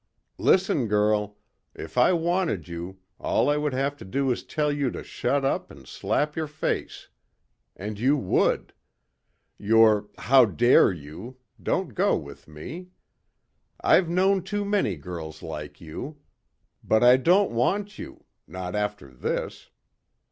"Listen, girl. If I wanted you, all I would have to do is tell you to shut up and slap your face. And you would. Your 'how dare you?' don't go with me. I've known too many girls like you. But I don't want you. Not after this.